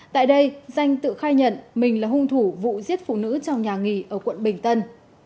tại đây danh tự khai nhận mình là hung thủ vụ giết phụ nữ trong nhà nghỉ ở quận bình tân